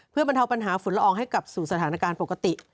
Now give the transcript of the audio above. เพื่อบรรเทาปัญหาฝุ่นละอองให้กลับสู่สถานการณ์ปกติ